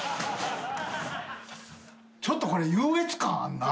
ちょっとこれ優越感あんな。